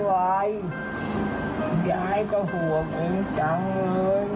แม่กับยายก็รักจริงจังเลย